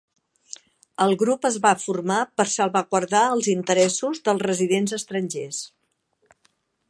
El grup es va formar per salvaguardar els interessos dels residents estrangers.